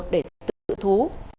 để tự thú